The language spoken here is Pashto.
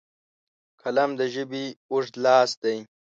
قلم د ژبې اوږد لاس دی